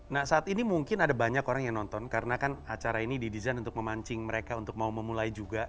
nah saat ini mungkin ada banyak orang yang nonton karena kan acara ini didesain untuk memancing mereka untuk mau memulai juga